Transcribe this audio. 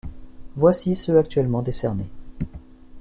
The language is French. Voici ceux actuellement décernés.